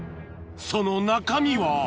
［その中身は］